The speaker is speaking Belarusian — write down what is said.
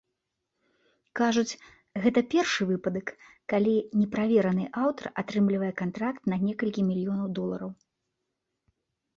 Кажуць, гэта першы выпадак, калі неправераны аўтар атрымлівае кантракт на некалькі мільёнаў долараў.